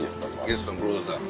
ゲストの黒田さん。